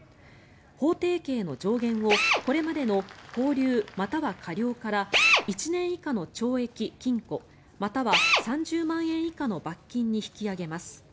法定刑の上限をこれまでの拘留または科料から１年以下の懲役・禁錮または３０万円以下の罰金に引き上げます。